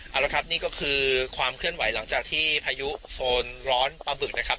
เอาละครับนี่ก็คือความเคลื่อนไหวหลังจากที่พายุโซนร้อนปลาบึกนะครับ